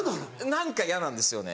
何か嫌なんですよね。